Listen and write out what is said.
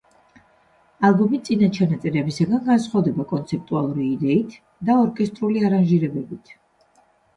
ალბომი წინა ჩანაწერებისგან განსხვავდება კონცეპტუალური იდეით და ორკესტრული არანჟირებებით.